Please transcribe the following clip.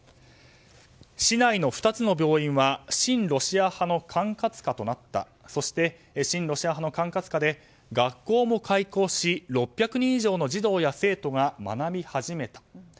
市内の２つの病院は親ロシア派の管轄下となったそして、親ロシア派の管轄下で学校も開校し６００人以上の児童や生徒が学び始めた。